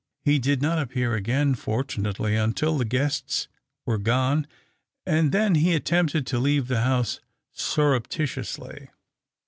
He did not appear again, fortu nately, until the guests were gone, and then he attempted to leave the house surrepti tiously.